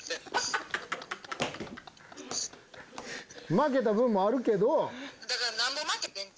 負けた分もあるけど。